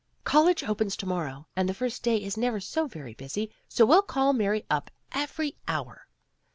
4 'College opens to morrow, and the first day is never so very busy, so we'll call Mary up every hour.